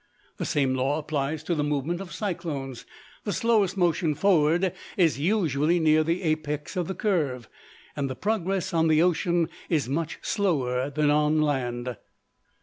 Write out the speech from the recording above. The same law applies to the movement of cyclones. The slowest motion forward is usually near the apex of the curve: and the progress on the ocean is much slower than on the land.